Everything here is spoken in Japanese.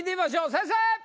先生！